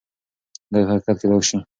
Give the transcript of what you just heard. دا يو حقيقت کيدای شي.